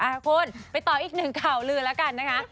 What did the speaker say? อ่ะคุณไปต่ออีก๑ข่าวลือแล้วกันนะคะ